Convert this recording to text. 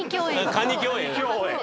カニ共演。